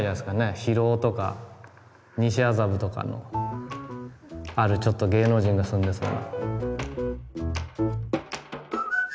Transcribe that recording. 広尾とか西麻布とかのあるちょっと芸能人が住んでそうな。